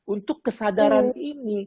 untuk kesadaran ini